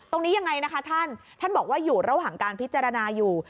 ตรงนี้ยังไงนะคะท่านท่านบอกว่าอยู่ระหว่างการพิจารณาอยู่